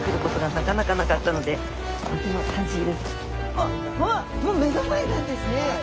あっもう目の前なんですね！